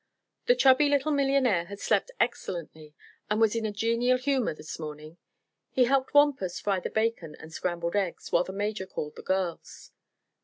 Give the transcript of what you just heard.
The chubby little millionaire had slept excellently and was in a genial humor this morning. He helped Wampus fry the bacon and scramble the eggs, while the Major called the girls.